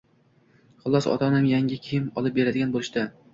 Xullas, ota-onam yangi kiyim olib beradigan bo‘lishdi.